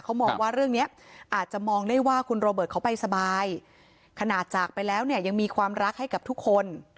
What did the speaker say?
เขามองว่าเรื่องนี้อาจจะมองได้ว่าคุณโรเบิร์ตเขาไปสบายขนาดจากไปแล้วเนี่ยยังมีความรักให้กับทุกคน